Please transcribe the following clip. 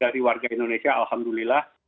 dari warga indonesia alhamdulillah